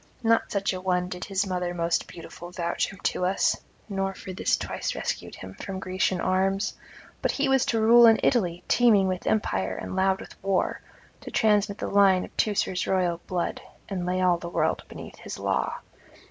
Not such an one did his mother most beautiful vouch him to [228 264]us, nor for this twice rescue him from Grecian arms; but he was to rule an Italy teeming with empire and loud with war, to transmit the line of Teucer's royal blood, and lay all the world beneath his law.